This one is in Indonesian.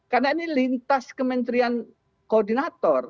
karena ini lintas kementerian koordinator